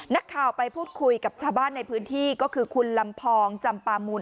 นักข่าวไปพูดคุยกับชาวบ้านในพื้นที่ก็คือคุณลำพองจำปามูล